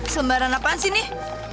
selebaran apaan sih nih